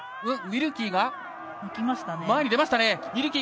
ウィルキーが前に出ました。